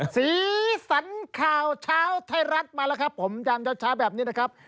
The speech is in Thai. สีสันข่าวเช้าไทยรัฐมาแล้วครับผมยามเช้าแบบนี้นะครับ